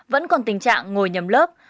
vẫn còn tình trạng ngồi nhầm lớp